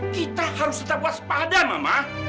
kita harus tetap waspada mama